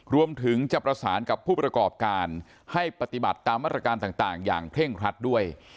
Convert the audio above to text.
รวมถึงจะประสานกับผู้ประกอบการให้ปฏิบัติตามมาตรการต่างอย่างเคร่งครัดด้วย